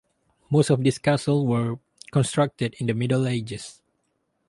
Most of these castles were constructed in the Middle Ages.